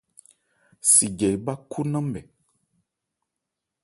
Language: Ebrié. Sijɛ ebhá khó ńnamɛ.